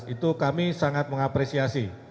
itu kami sangat mengapresiasi